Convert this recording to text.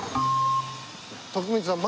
徳光さん